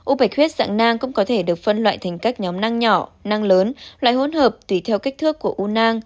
u bạch huyết dạng nang cũng có thể được phân loại thành các nhóm nang nhỏ nang lớn loại hôn hợp tùy theo kích thước của u nang